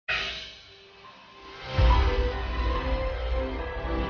kamu tak peduli tuh ini rusaklove nya jadi